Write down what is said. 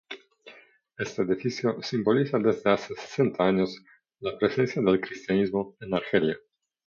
Este edificio simboliza desde hace sesenta años, la presencia del cristianismo en Argelia.